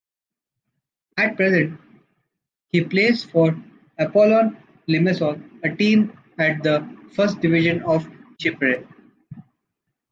At present, he plays for Apollon Limassol, a team at the Frist Division of Chipre.